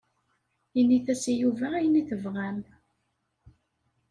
Init-as i Yuba ayen i tebɣam.